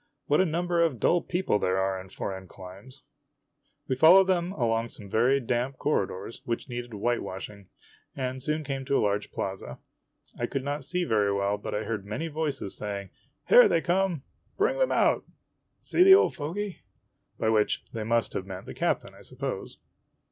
What a number of dull people there are in foreign climes ! We followed them along some very damp corridors which needed whitewashing, and soon came to a large plaza. I could not see very well, but I heard many voices saying, " Here they come !" "Bring them out !' "See the old fogy! " by which they must have meant the captain, I suppose.